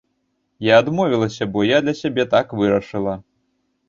Я адмовілася, бо я для сябе так вырашыла.